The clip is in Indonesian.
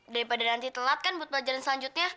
daripada ganti telat kan buat pelajaran selanjutnya